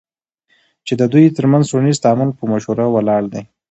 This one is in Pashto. چی ددوی ترمنځ ټولنیز تعامل په مشوره ولاړ دی،